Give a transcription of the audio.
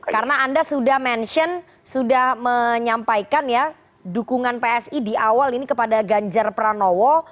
karena anda sudah mention sudah menyampaikan ya dukungan psi di awal ini kepada ganjar pranowo